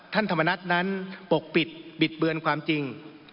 ธรรมนัฐนั้นปกปิดบิดเบือนความจริง